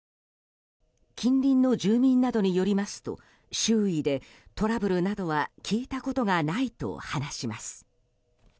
近隣の住民などによりますと周囲でトラブルなどは聞いたことがないと話します。